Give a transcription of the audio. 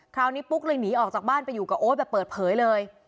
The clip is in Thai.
ปุ๊กเลยหนีออกจากบ้านไปอยู่กับโอ๊ตแบบเปิดเผยเลย